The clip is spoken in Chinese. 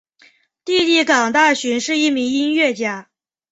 弟弟港大寻是一名音乐家。